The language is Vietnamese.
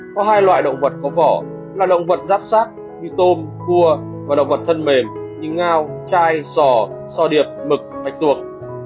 có hai loại động vật có vỏ là động vật rác rác như tôm cua và động vật thân mềm như ngao chai sò sò điệp mực thạch tuộc